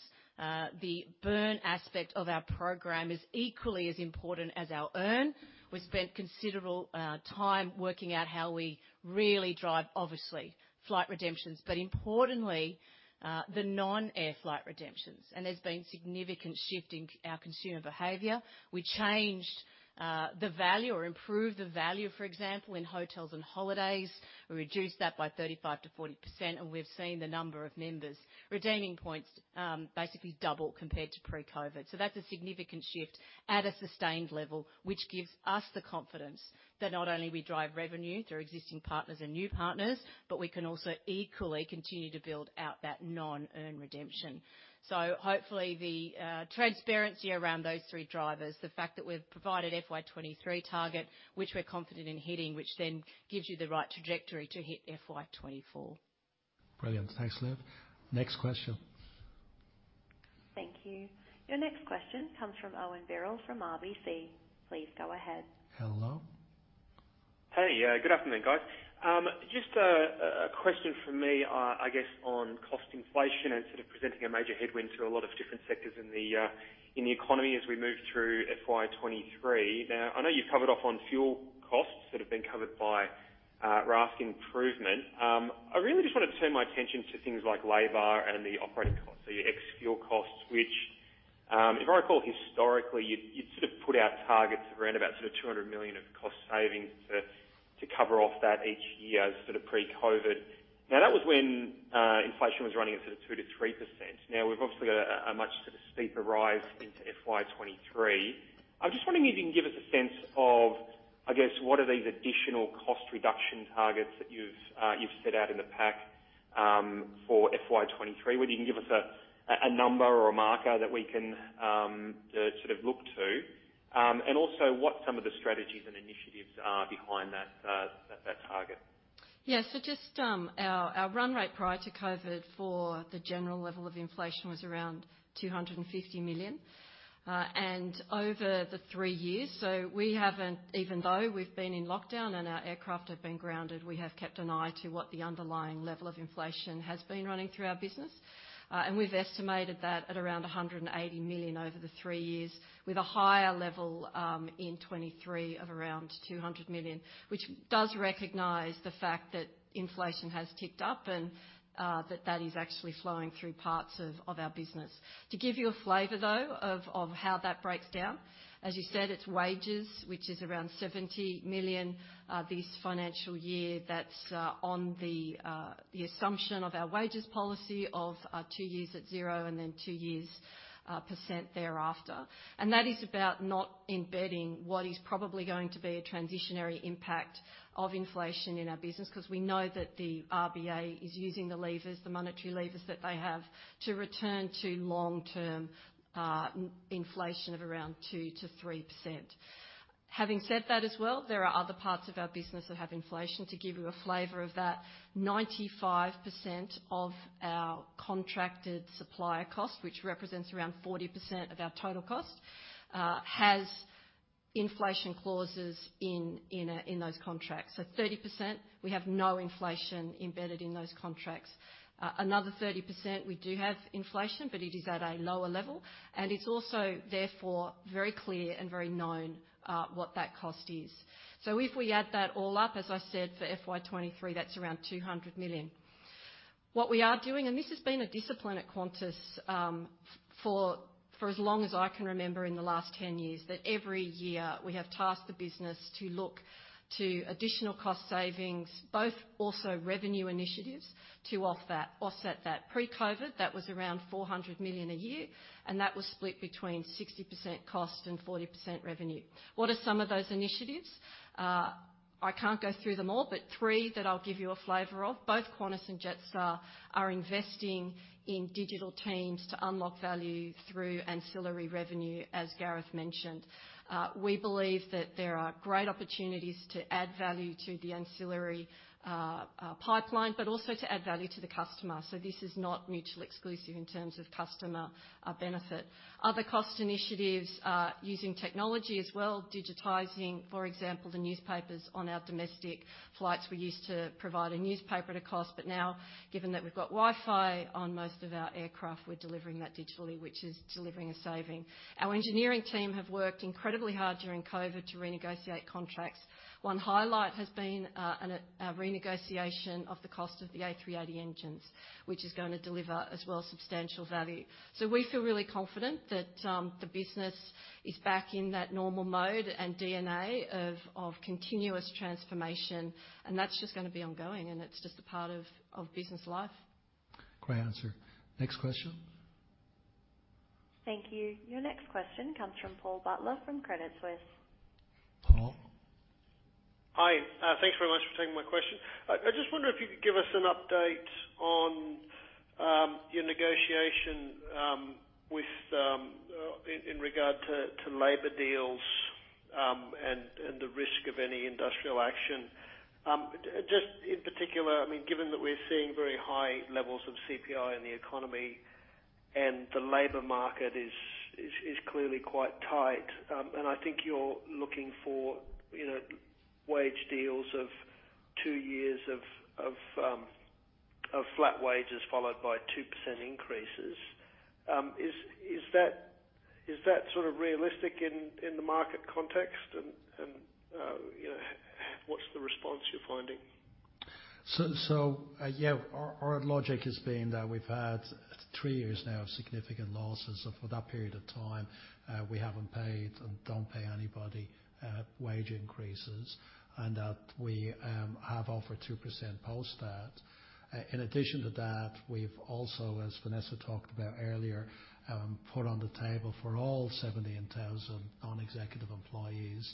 Speaker 3: The burn aspect of our program is equally as important as our earn. We spent considerable time working out how we really drive obviously flight redemptions, but importantly, the non-flight redemptions, and there's been significant shift in our consumer behavior. We changed the value or improved the value, for example, in hotels and holidays. We reduced that by 35%-40%, and we've seen the number of members redeeming points basically double compared to pre-COVID. That's a significant shift at a sustained level, which gives us the confidence that not only we drive revenue through existing partners and new partners, but we can also equally continue to build out that non-flight redemption. Hopefully the transparency around those three drivers, the fact that we've provided FY 2023 target, which we're confident in hitting, which then gives you the right trajectory to hit FY 2024. Brilliant. Thanks, Liv. Next question.
Speaker 4: Thank you. Your next question comes from Owen Birrell from RBC. Please go ahead.
Speaker 3: Hello.
Speaker 13: Hey, good afternoon, guys. Just a question from me, I guess on cost inflation and sort of presenting a major headwind to a lot of different sectors in the economy as we move through FY 2023. Now, I know you've covered off on fuel costs that have been covered by RASK improvement. I really just wanna turn my attention to things like labor and the operating costs, so your ex-fuel costs, which, if I recall historically, you'd sort of put out targets of around about sort of 200 million of cost savings to cover off that each year sort of pre-COVID. Now, that was when inflation was running at sort of 2%-3%. Now, we've obviously got a much sort of steeper rise into FY 2023. I'm just wondering if you can give us a sense of, I guess, what are these additional cost reduction targets that you've set out in the pack, for FY 2023? Whether you can give us a number or a marker that we can sort of look to. Also what some of the strategies and initiatives are behind that target?
Speaker 3: Our run rate prior to COVID for the general level of inflation was around 250 million. Over the three years, even though we've been in lockdown and our aircraft have been grounded, we have kept an eye on what the underlying level of inflation has been running through our business. We've estimated that at around 180 million over the three years with a higher level in 2023 of around 200 million, which does recognize the fact that inflation has ticked up and that is actually flowing through parts of our business. To give you a flavor though of how that breaks down, as you said, it's wages which is around 70 million this financial year. That's on the assumption of our wages policy of two years at zero and then two years 2% thereafter. That is about not embedding what is probably going to be a transitory impact of inflation in our business 'cause we know that the RBA is using the levers, the monetary levers that they have, to return to long-term inflation of around 2%-3%. Having said that as well, there are other parts of our business that have inflation. To give you a flavor of that, 95% of our contracted supplier cost, which represents around 40% of our total cost, has inflation clauses in those contracts. 30% we have no inflation embedded in those contracts. Another 30% we do have inflation, but it is at a lower level, and it's also therefore very clear and very known, what that cost is. So if we add that all up, as I said for FY 2023, that's around 200 million. What we are doing, and this has been a discipline at Qantas, for as long as I can remember in the last ten years, that every year we have tasked the business to look to additional cost savings, both also revenue initiatives to offset that. Pre-COVID, that was around 400 million a year, and that was split between 60% cost and 40% revenue. What are some of those initiatives? I can't go through them all, but three that I'll give you a flavor of, both Qantas and Jetstar are investing in digital teams to unlock value through ancillary revenue, as Gareth mentioned. We believe that there are great opportunities to add value to the ancillary pipeline, but also to add value to the customer, so this is not mutually exclusive in terms of customer benefit. Other cost initiatives are using technology as well, digitizing, for example, the newspapers on our domestic flights. We used to provide a newspaper at cost, but now given that we've got Wi-Fi on most of our aircraft, we're delivering that digitally, which is delivering a saving. Our engineering team have worked incredibly hard during COVID to renegotiate contracts. One highlight has been a renegotiation of the cost of the A380 engines, which is gonna deliver as well substantial value. We feel really confident that the business is back in that normal mode and DNA of continuous transformation, and that's just gonna be ongoing, and it's just a part of business life. Great answer. Next question.
Speaker 4: Thank you. Your next question comes from Paul Butler from Credit Suisse.
Speaker 3: Paul?
Speaker 14: Hi. Thanks very much for taking my question. I just wonder if you could give us an update on your negotiation with in regard to labor deals?
Speaker 15: the risk of any industrial action. Just in particular, I mean, given that we're seeing very high levels of CPI in the economy and the labor market is clearly quite tight, and I think you're looking for, you know, wage deals of two years of flat wages followed by 2% increases. Is that sort of realistic in the market context? You know, what's the response you're finding?
Speaker 2: Yeah. Our logic has been that we've had three years now of significant losses. For that period of time, we haven't paid and don't pay anybody wage increases, and that we have offered 2% post that. In addition to that, we've also, as Vanessa talked about earlier, put on the table for all 17,000 non-executive employees,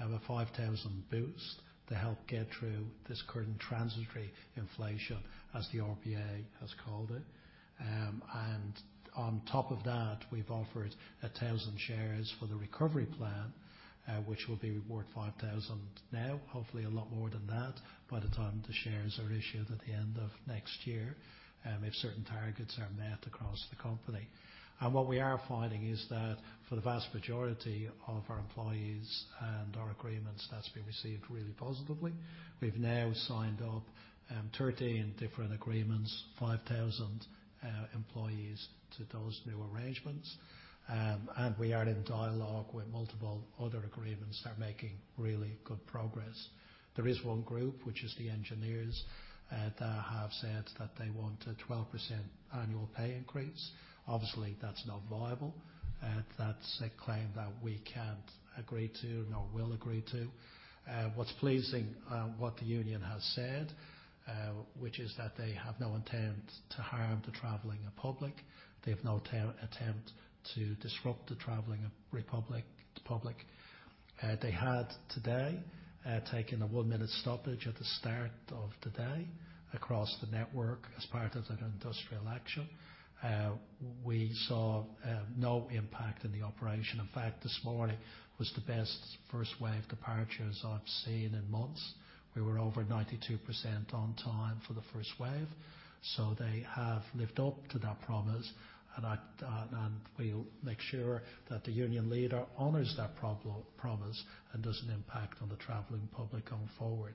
Speaker 2: a 5,000 boost to help get through this current transitory inflation, as the RBA has called it. On top of that, we've offered 1,000 shares for the recovery plan, which will be worth 5,000 now, hopefully a lot more than that by the time the shares are issued at the end of next year, if certain targets are met across the company. What we are finding is that for the vast majority of our employees and our agreements, that's been received really positively. We've now signed up 13 different agreements, 5,000 employees to those new arrangements. We are in dialogue with multiple other agreements that are making really good progress. There is one group, which is the engineers, that have said that they want a 12% annual pay increase. Obviously, that's not viable. That's a claim that we can't agree to nor will agree to. What's pleasing, what the union has said, which is that they have no intent to harm the traveling public. They have no attempt to disrupt the traveling public. They had today taken a one-minute stoppage at the start of the day across the network as part of their industrial action. We saw no impact in the operation. In fact, this morning was the best first wave departures I've seen in months. We were over 92% on time for the first wave. They have lived up to that promise. We'll make sure that the union leader honors that promise and doesn't impact on the traveling public going forward.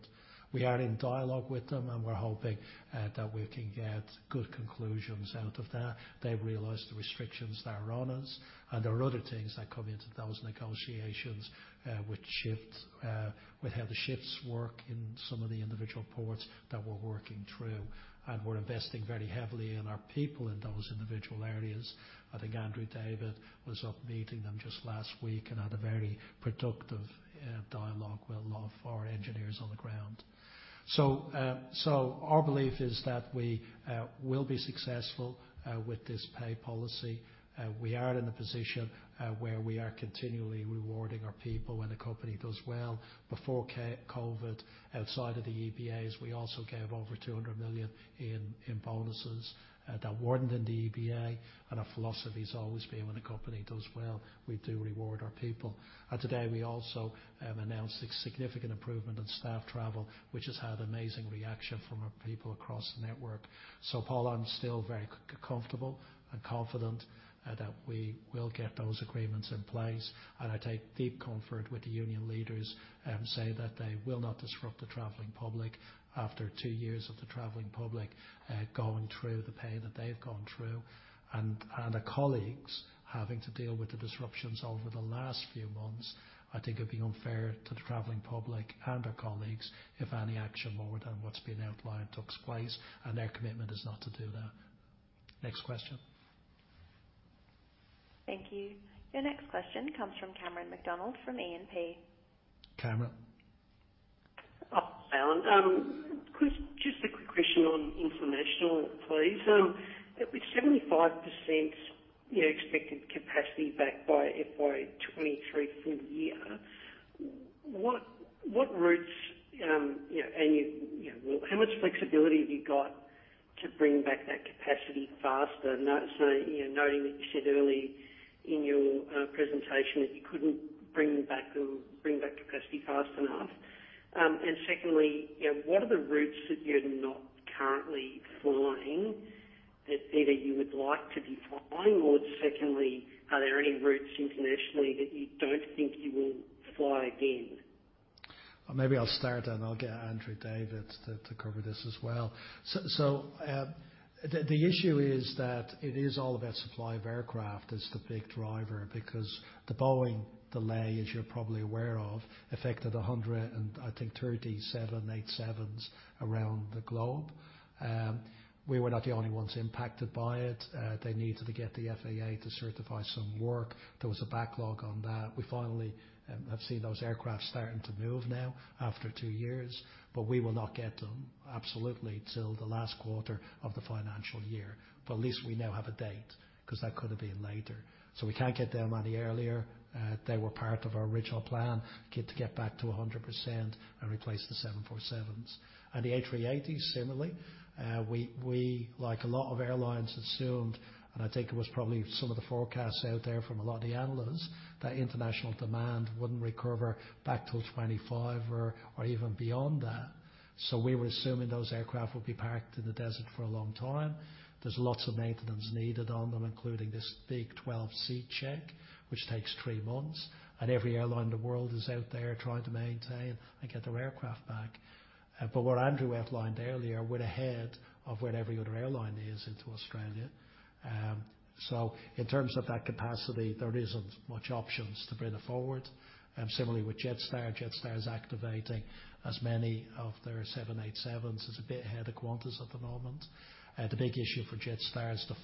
Speaker 2: We are in dialogue with them, and we're hoping that we can get good conclusions out of that. They realize the restrictions that are on us, and there are other things that come into those negotiations with shifts with how the shifts work in some of the individual ports that we're working through. We're investing very heavily in our people in those individual areas. I think Andrew David was up meeting them just last week and had a very productive dialogue with a lot of our engineers on the ground. So our belief is that we will be successful with this pay policy. We are in a position where we are continually rewarding our people when the company does well. Before COVID, outside of the EBAs, we also gave over 200 million in bonuses that weren't in the EBA, and our philosophy has always been when the company does well, we do reward our people. Today, we also announced a significant improvement in staff travel, which has had amazing reaction from our people across the network. So Paul, I'm still very comfortable and confident that we will get those agreements in place. I take deep comfort with the union leaders saying that they will not disrupt the traveling public after two years of the traveling public going through the pain that they've gone through. Our colleagues having to deal with the disruptions over the last few months, I think it'd be unfair to the traveling public and our colleagues if any action more than what's been outlined takes place, and their commitment is not to do that. Next question.
Speaker 4: Thank you. Your next question comes from Cameron McDonald from AMP.
Speaker 2: Cameron.
Speaker 15: Hi, Alan. Chris, just a quick question on international, please. With 75%, you know, expected capacity back by FY 2023 full year, what routes, you know, and you know, how much flexibility have you got to bring back that capacity faster? You know, noting that you said early in your presentation that you couldn't bring back capacity fast enough. Secondly, you know, what are the routes that you're not currently flying that either you would like to be flying, or secondly, are there any routes internationally that you don't think you will fly again?
Speaker 2: Maybe I'll start, and I'll get Andrew David to cover this as well. The issue is that it is all about supply of aircraft as the big driver because the Boeing delay, as you're probably aware of, affected 100, I think 37 787s around the globe. We were not the only ones impacted by it. They needed to get the FAA to certify some work. There was a backlog on that. We finally have seen those aircraft starting to move now after two years, but we will not get them absolutely till the last quarter of the financial year. At least we now have a date 'cause that could have been later. We can't get them any earlier. They were part of our original plan to get back to 100% and replace the 747s. The A380s similarly. We, like a lot of airlines, assumed, and I think it was probably some of the forecasts out there from a lot of the analysts, that international demand wouldn't recover back till 2025 or even beyond that. We were assuming those aircraft would be parked in the desert for a long time. There's lots of maintenance needed on them, including this big 12C check, which takes three months. Every airline in the world is out there trying to maintain and get their aircraft back. What Andrew outlined earlier, we're ahead of where every other airline is into Australia. In terms of that capacity, there isn't much options to bring it forward. Similarly with Jetstar's activating as many of their 787s. It's a bit ahead of Qantas at the moment. The big issue for Jetstar is the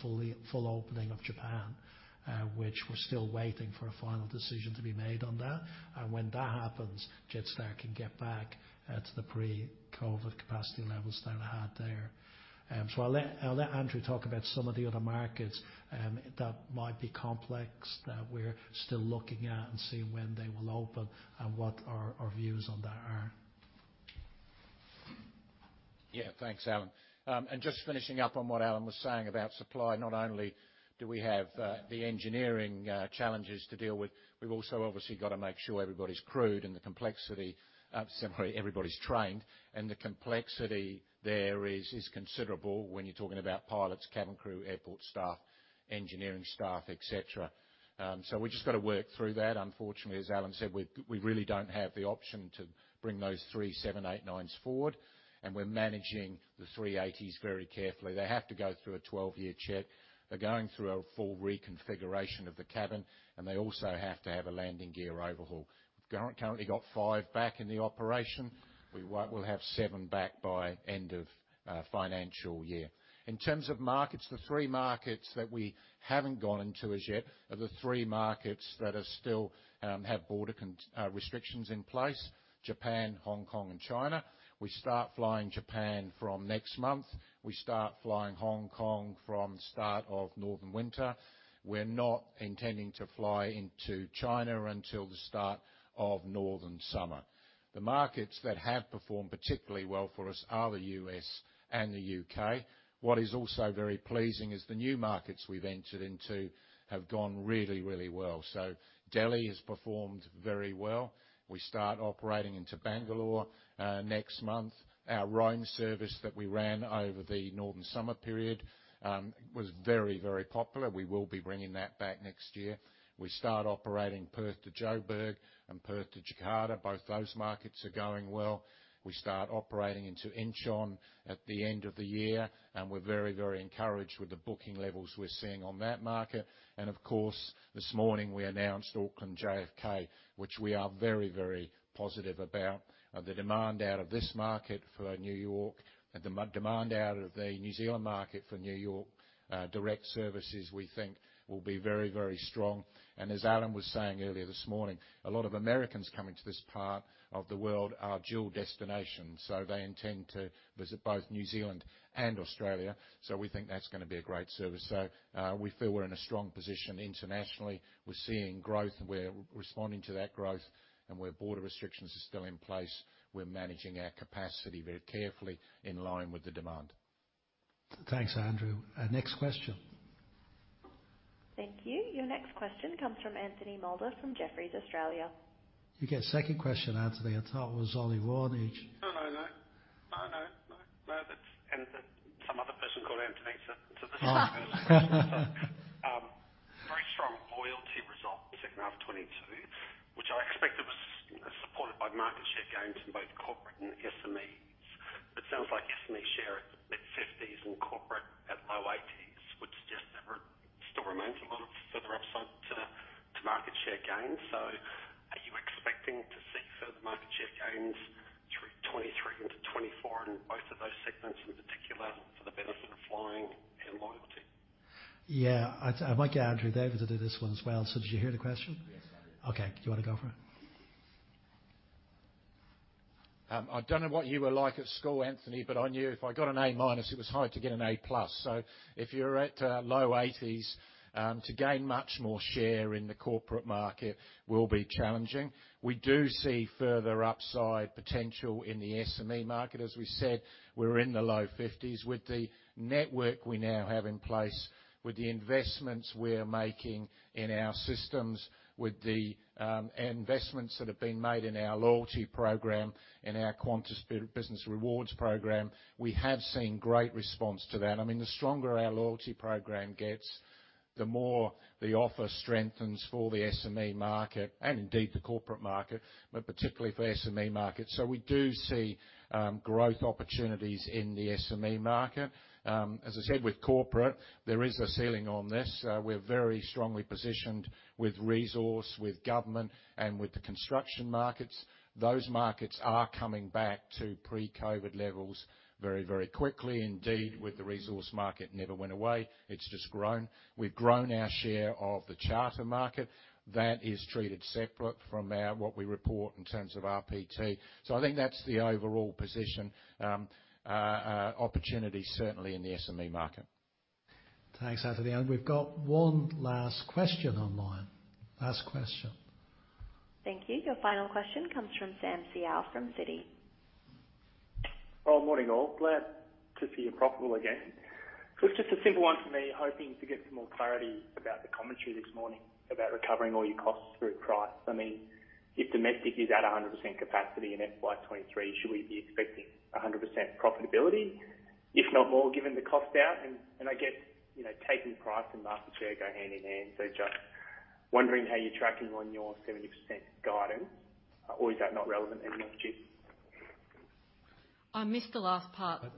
Speaker 2: full opening of Japan, which we're still waiting for a final decision to be made on that. When that happens, Jetstar can get back to the pre-COVID capacity levels they had there. I'll let Andrew talk about some of the other markets that might be complex, that we're still looking at and seeing when they will open and what our views on that are.
Speaker 6: Yeah. Thanks, Alan. Just finishing up on what Alan was saying about supply, not only do we have the engineering challenges to deal with, we've also obviously got to make sure everybody's crewed and the complexity similarly everybody's trained, and the complexity there is considerable when you're talking about pilots, cabin crew, airport staff, engineering staff, et cetera. We just gotta work through that. Unfortunately, as Alan said, we really don't have the option to bring those 787-9s forward, and we're managing the 380s very carefully. They have to go through a 12-year check. They're going through a full reconfiguration of the cabin, and they also have to have a landing gear overhaul. Currently got 5 back in the operation. We'll have seven back by end of financial year. In terms of markets, the three markets that we haven't gone into as yet are the three markets that are still have border restrictions in place, Japan, Hong Kong, and China. We start flying Japan from next month. We start flying Hong Kong from start of northern winter. We're not intending to fly into China until the start of northern summer. The markets that have performed particularly well for us are the U.S. and the U.K. What is also very pleasing is the new markets we've entered into have gone really, really well. Delhi has performed very well. We start operating into Bangalore next month. Our Rome service that we ran over the northern summer period was very, very popular. We will be bringing that back next year. We start operating Perth to Joburg and Perth to Jakarta. Both those markets are going well. We start operating into Incheon at the end of the year, and we're very, very encouraged with the booking levels we're seeing on that market. Of course, this morning we announced Auckland JFK, which we are very, very positive about. The demand out of this market for New York, the demand out of the New Zealand market for New York, direct services we think will be very, very strong. As Alan was saying earlier this morning, a lot of Americans coming to this part of the world are dual destination, so they intend to visit both New Zealand and Australia. We think that's gonna be a great service. We feel we're in a strong position internationally. We're seeing growth, and we're responding to that growth. Where border restrictions are still in place, we're managing our capacity very carefully in line with the demand.
Speaker 2: Thanks, Andrew. Next question.
Speaker 4: Thank you. Your next question comes from Anthony Moulder from Jefferies Australia.
Speaker 2: You get a second question, Anthony. I thought it was only one each.
Speaker 16: No, no. That's some other person called Anthony, so this is-
Speaker 2: Oh.
Speaker 16: Very strong loyalty results in H2 of 2022, which I expected was supported by market share gains in both corporate and SMEs. It sounds like SME share at mid-50s% and corporate at low 80s% would suggest there still remains a lot of further upside to market share gains. Are you expecting to see further market share gains through 2023 into 2024 in both of those segments, in particular for the benefit of flying and loyalty?
Speaker 2: Yeah. I might get Andrew David to do this one as well. Did you hear the question?
Speaker 6: Yes, I did.
Speaker 2: Okay. Do you wanna go for it?
Speaker 6: I don't know what you were like at school, Anthony, but I knew if I got an A-minus, it was hard to get an A-plus. If you're at low 80s%, to gain much more share in the corporate market will be challenging. We do see further upside potential in the SME market. As we said, we're in the low 50s%. With the network we now have in place, with the investments we're making in our systems, with the investments that have been made in our loyalty program, in our Qantas Business Rewards program, we have seen great response to that. I mean, the stronger our loyalty program gets, the more the offer strengthens for the SME market and indeed the corporate market, but particularly for SME market. We do see growth opportunities in the SME market. As I said with corporate, there is a ceiling on this. We're very strongly positioned with resource, with government, and with the construction markets. Those markets are coming back to pre-COVID levels very, very quickly. Indeed, with the resource market, never went away, it's just grown. We've grown our share of the charter market. That is treated separate from what we report in terms of RPT. I think that's the overall position. Opportunity certainly in the SME market.
Speaker 2: Thanks, Anthony. We've got one last question online. Last question.
Speaker 4: Thank you. Your final question comes from Samuel Seow from Citi.
Speaker 17: Well, morning, all. Glad to see you profitable again. It's just a simple one for me, hoping to get some more clarity about the commentary this morning about recovering all your costs through price. I mean, if domestic is at 100% capacity in FY 2023, should we be expecting 100% profitability, if not more, given the cost out? I get, you know, taking price and market share go hand in hand. Just wondering how you're tracking on your 70% guidance, or is that not relevant anymore, Judy?
Speaker 3: I missed the last part.
Speaker 2: I'll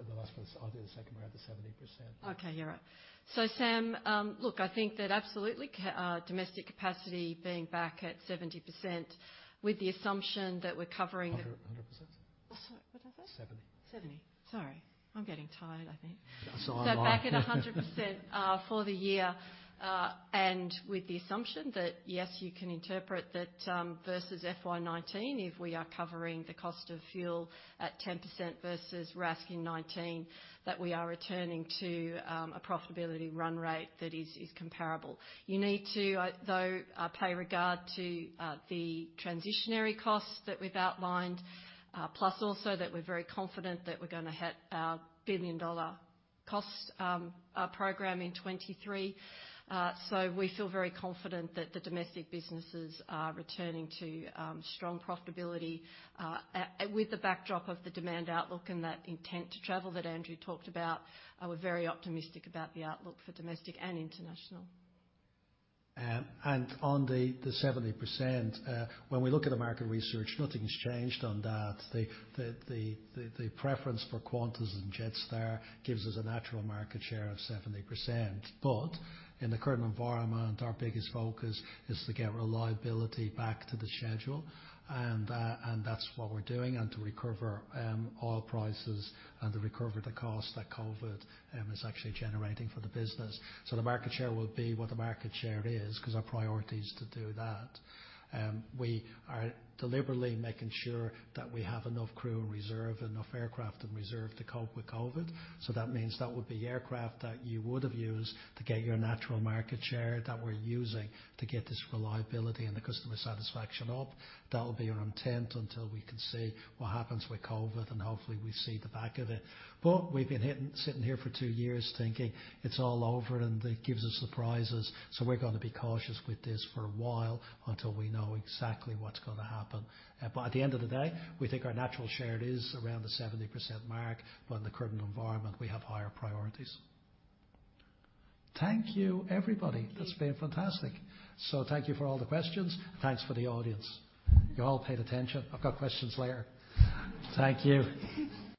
Speaker 2: do the second one about the 70%.
Speaker 3: Okay, you're right. Sam, look, I think that absolutely domestic capacity being back at 70% with the assumption that we're covering.
Speaker 2: 100%?
Speaker 3: Oh, sorry. What did I say?
Speaker 2: 70.
Speaker 3: 70. Sorry. I'm getting tired I think.
Speaker 2: That's what I like.
Speaker 3: Back at 100% for the year. With the assumption that, yes, you can interpret that versus FY 2019, if we are covering the cost of fuel at 10% versus RASK in 2019, that we are returning to a profitability run rate that is comparable. You need to though pay regard to the transitory costs that we've outlined, plus also that we're very confident that we're gonna hit our billion-dollar cost program in 2023. We feel very confident that the domestic businesses are returning to strong profitability. And with the backdrop of the demand outlook and that intent to travel that Andrew talked about, we're very optimistic about the outlook for domestic and international.
Speaker 2: On the 70%, when we look at the market research, nothing's changed on that. The preference for Qantas and Jetstar gives us a natural market share of 70%. In the current environment, our biggest focus is to get reliability back to the schedule, and that's what we're doing, and to recover oil prices and to recover the cost that COVID is actually generating for the business. The market share will be what the market share is 'cause our priority is to do that. We are deliberately making sure that we have enough crew in reserve, enough aircraft in reserve to cope with COVID. That means that would be aircraft that you would have used to get your natural market share that we're using to get this reliability and the customer satisfaction up. That'll be our intent until we can see what happens with COVID, and hopefully we see the back of it. We've been sitting here for two years thinking it's all over, and it gives us surprises. We're gonna be cautious with this for a while until we know exactly what's gonna happen. At the end of the day, we think our natural share is around the 70% mark, but in the current environment, we have higher priorities. Thank you, everybody.
Speaker 3: Thank you.
Speaker 2: It's been fantastic. Thank you for all the questions. Thanks for the audience. You all paid attention. I've got questions later. Thank you.